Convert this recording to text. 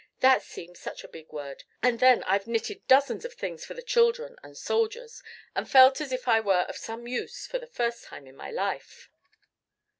That seems such a big word. And then I've knitted dozens of things for the children and soldiers, and felt as if I were of some use for the first time in my life."